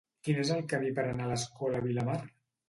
Quin és el camí per anar a l'Escola Vilamar?